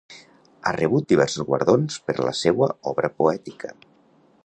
Ha rebut diversos guardons per la seua obra poètica.